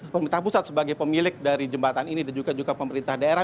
pemerintah pusat sebagai pemilik dari jembatan ini dan juga pemerintah daerah